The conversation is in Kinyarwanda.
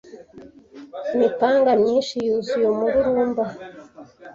imipanga myinshi yuzuye umururumba